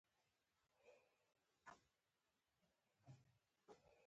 د بلخ په زاري کې د څه شي نښې دي؟